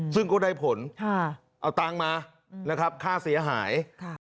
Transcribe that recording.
ซึ่งก็ได้ผลเอาตังค์มานะครับค่าเสียหาย